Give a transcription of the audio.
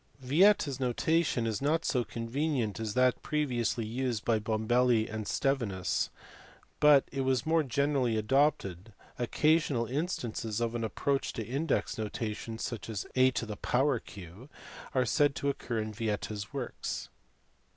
Vieta s notation is not so convenient as that previously used by Bombelli and Stevinns, but it was more generally adopted ; occcasional in stances of an approach to index notation, such as A q , are said to occur in Vieta s works.